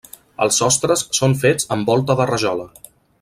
Els sostres són fets amb volta de rajola.